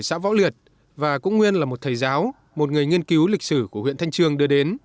xã võ liệt và cũng nguyên là một thầy giáo một người nghiên cứu lịch sử của huyện thanh trương đưa đến